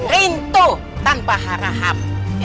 rinto tanpa haraham